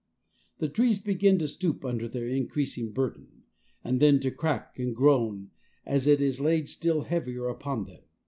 The trees begin to stoop under their increasing burden, and then to crack and groan as it is laid still heavier upon them.